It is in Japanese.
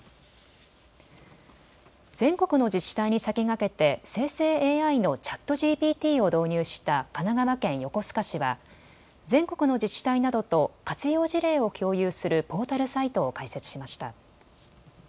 全国の自治体に先駆けて生成ＡＩのＣｈａｔＧＰＴを導入した神奈川県横須賀市は全国の自治体などと活用事例を共有するポータルサイトを開設しました。